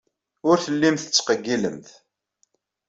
Ur tellimt tettqeyyilemt.